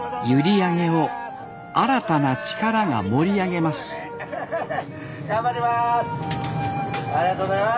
閖上を新たな力が盛り上げます頑張ります。